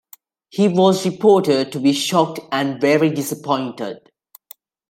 He was reported to be "shocked" and "very disappointed".